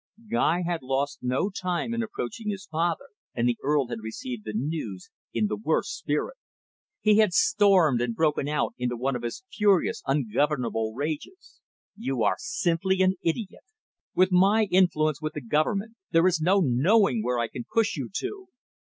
Guy had lost no time in approaching his father, and the Earl had received the news in the worst spirit. He had stormed, and broken out into one of his furious, ungovernable rages. "You are simply an idiot. With my influence with the Government, there is no knowing where I can push you to."